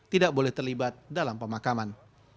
tidak boleh terlibat dalam pemakaman